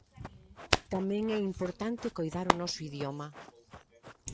Tamén é importante coidar o noso idioma.